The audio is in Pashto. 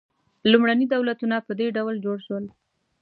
لومړني دولتونه په دې ډول جوړ شول.